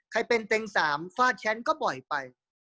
ใครเป็นเต็ง๓ฟาดแชมป์ก็บ่อยไป